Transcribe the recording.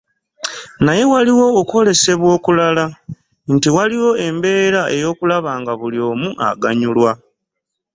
Naye waliwo okwolesebwa okulala: nti waliwo embeera ey’okulaba nga buli omu aganyulwa.